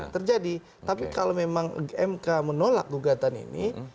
terjadi tapi kalau memang mk menolak gugatan ini